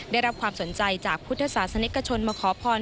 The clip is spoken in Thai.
ได้รับความสนใจจากพุทธศาสนิกชนมาขอพร